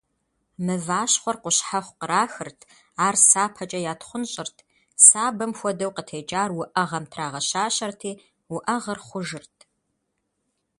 Мыващхъуэр къущхьэхъу кърахырт, ар сапэкӀэ ятхъунщӀырт, сабэм хуэдэу къытекӀар уӀэгъэм трагъэщащэрти, уӀэгъэр хъужырт.